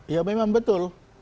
ya memang betul